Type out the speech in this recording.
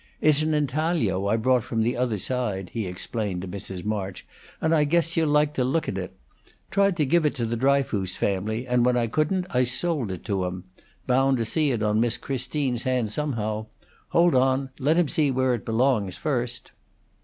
It's an intaglio I brought from the other side," he explained to Mrs. March, "and I guess you'll like to look at it. Tried to give it to the Dryfoos family, and when I couldn't, I sold it to 'em. Bound to see it on Miss Christine's hand somehow! Hold on! Let him see it where it belongs, first!"